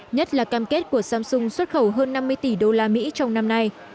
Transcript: nhất là cam kết của samsung xuất khẩu hơn năm mươi tỷ đô la mỹ trong năm nay